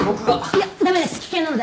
いや駄目です危険なので。